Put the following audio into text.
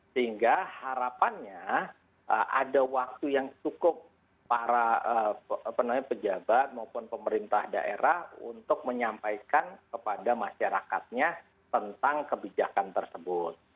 sehingga harapannya ada waktu yang cukup parah pejabat maupun pemerintah daerah untuk menyampaikan kepada masyarakatnya tentang kebijakan tersebut